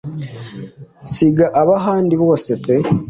nsiga abahandi bose pe